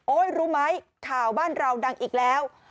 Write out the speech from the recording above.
รู้ไหมข่าวบ้านเราดังอีกแล้ว